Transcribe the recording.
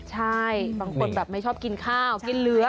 ใช่บางคนแบบไม่ชอบกินข้าวกินเหลือ